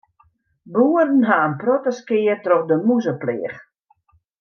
Boeren ha in protte skea troch de mûzepleach.